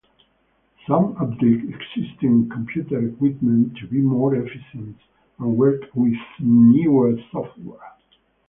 Some update existing computer equipment to be more efficient and work with newer software.